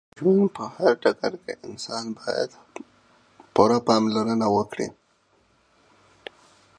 د ژوند په هر ډګر کې انسان باید پوره پاملرنه وکړې